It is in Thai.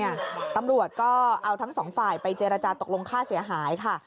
ตำรวจก็เอาทั้งสองฝ่ายไปเจรจาตกลงค่าเสียหายค่ะ